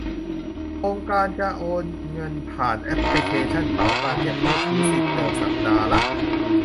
โครงการจะโอนเงินผ่านแอปพลิเคชันเป๋าตังแก่ผู้ถือสิทธิเดิม สัปดาห์ละ